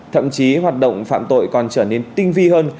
thậm chí hoạt động phạm tội còn trở nên tinh vi hơn